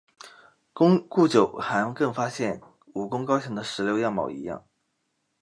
古九寒更发现武功高强的石榴样貌一样。